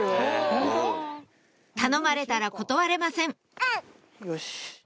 頼まれたら断れませんよし。